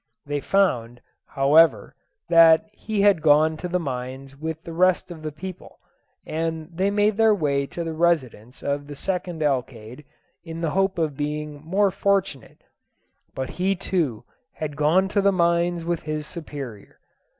They found, however, that he had gone to the mines with the rest of the people, and they made their way to the residence of the second alcalde, in the hope of being more fortunate; but he too had gone to the mines with his superior.